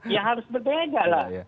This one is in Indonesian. ya harus berbeda lah